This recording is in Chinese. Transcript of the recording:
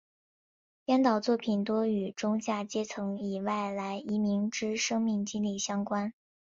编导作品多与中下阶层及外来移民之生命经历相关。